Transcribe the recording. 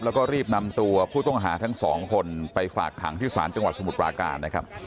แล้วก็รีบนำตัวผู้ต้องหาทั้งสองคนไปฝากขังที่ศาลจังหวัดสมุทรปราการนะครับ